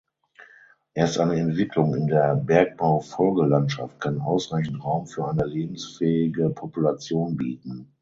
Erst eine Entwicklung in der Bergbaufolgelandschaft kann ausreichend Raum für eine lebensfähige Population bieten.